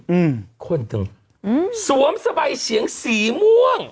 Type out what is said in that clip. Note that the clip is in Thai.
อืมสูงตึงสวมสไบเสียงศรีม่วง